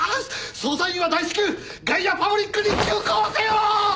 捜査員は大至急ガイアパブリックに急行せよ！！